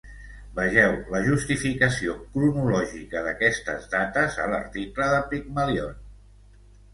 Vegeu la justificació cronològica d'aquestes dates a l'article de Pygmalion.